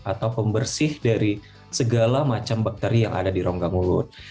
atau pembersih dari segala macam bakteri yang ada di rongga mulut